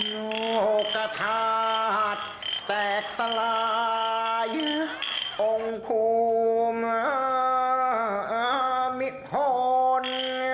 โลกชาติแตกสลายองค์ภูมิอามิโฮน